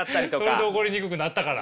これで怒りにくくなったから。